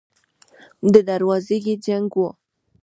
د دروازګۍ جنګ و.